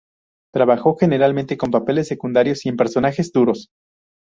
Trabajó generalmente con papeles secundarios y en personajes duros.